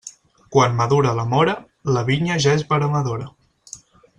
Quan madura la móra, la vinya ja és veremadora.